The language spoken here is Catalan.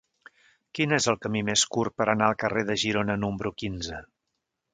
Quin és el camí més curt per anar al carrer de Girona número quinze?